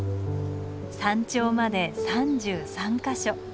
山頂まで３３か所。